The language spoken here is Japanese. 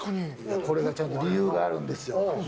これがちゃんと理由があるんですよ。